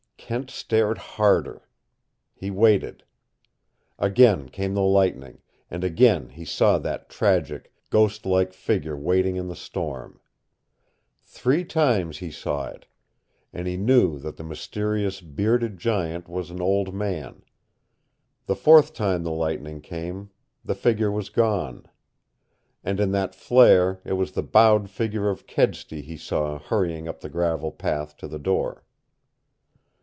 Kent stared harder. He waited. Again came the lightning, and again he saw that tragic, ghost like figure waiting in the storm. Three times he saw it. And he knew that the mysterious, bearded giant was an old man. The fourth time the lightning came, the figure was gone. And in that flare it was the bowed figure of Kedsty he saw hurrying up the gravel path to the door.